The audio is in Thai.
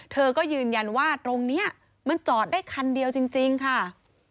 เธอก็ยืนยันว่าตรงนี้มันจอดได้คันเดียวจริงค่ะ